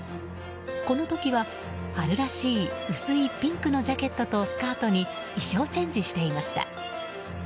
この時は、春らしい薄いピンクのジャケットとスカートに衣裳チェンジしていました。